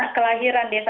anak kelahiran desa tansal